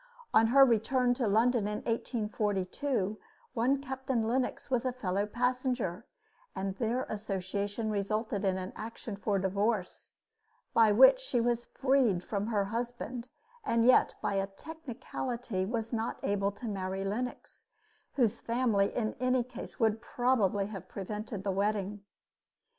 On her return to London in 1842, one Captain Lennox was a fellow passenger; and their association resulted in an action for divorce, by which she was freed from her husband, and yet by a technicality was not able to marry Lennox, whose family in any case would probably have prevented the wedding.